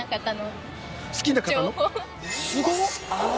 すごっ！